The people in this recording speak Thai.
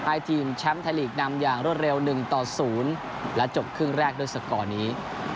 ให้ทีมแชมป์ไทยลีกนำอย่างรวดเร็ว๑ต่อ๐และจบครึ่งแรกด้วยสกอร์นี้